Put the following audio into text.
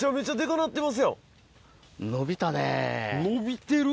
伸びてる。